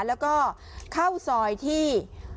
แล้วก็เข้าซอยที่